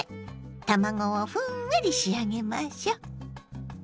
卵をふんわり仕上げましょ。